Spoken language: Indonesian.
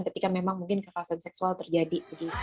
ketika memang mungkin kekerasan seksual terjadi